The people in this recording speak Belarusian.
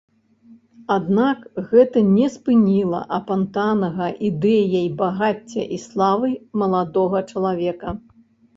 Аднак гэта не спыніла апантанага ідэяй багацця і славы маладога чалавека.